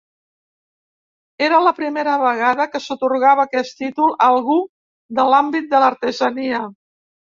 Era la primera vegada que s'atorgava aquest títol a algú de l'àmbit de l'artesania.